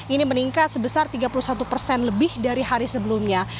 ini meningkat sebesar tiga puluh satu persen lebih dari hari sebelumnya